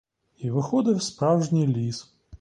І виходив справжній ліс.